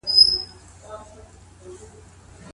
اسلام په ټولنه کې د مرييانو سيستم له منځه يووړ.